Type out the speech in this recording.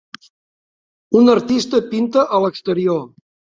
Un artista pinta a l'exterior.